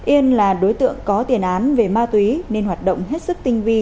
yên là đối tượng có tiền án về ma túy nên hoạt động hết sức tinh vi